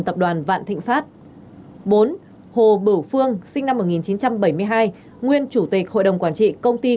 tập đoàn vạn thịnh pháp bốn hồ bửu phương sinh năm một nghìn chín trăm bảy mươi hai nguyên chủ tịch hội đồng quản trị công ty